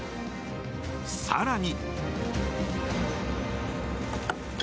更に。